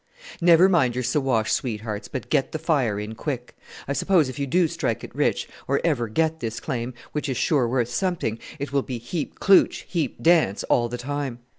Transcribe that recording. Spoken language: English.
"Never mind your Siwash sweethearts, but get the fire in quick. I suppose if you do strike it rich, or ever get this claim, which is sure worth something, it will be heap klootch, heap dance, all the time!